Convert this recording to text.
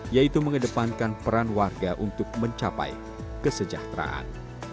yaitu mengedepankan peran warga untuk mencapai kesejahteraan